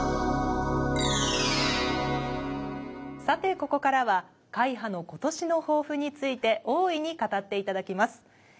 さてここからは会派の今年の抱負について大いに語っていただきます。